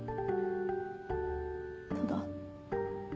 ただ。